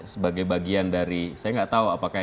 sebagai bagian dari saya gak tau apakah